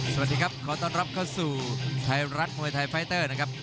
สวัสดีครับขอต้อนรับเข้าสู่ไทยรัฐมวยไทยไฟเตอร์นะครับ